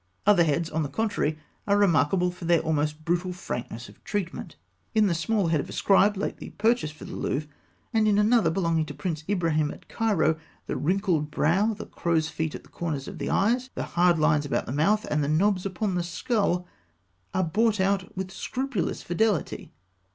Other heads, on the contrary, are remarkable for their almost brutal frankness of treatment. In the small head of a scribe (fig. 206), lately purchased for the Louvre, and in another belonging to Prince Ibrahim at Cairo, the wrinkled brow, the crow's feet at the corners of the eyes, the hard lines about the mouth, and the knobs upon the skull, are brought out with scrupulous fidelity.